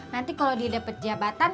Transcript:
nanti kalau dia dapat jabatan